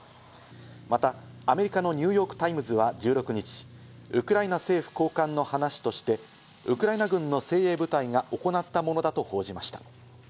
またアメリカのニューヨークタイムズは１６日、ウクライナ政府高官の話として、ウクライナ軍の精鋭部隊が行ったものだと報じました。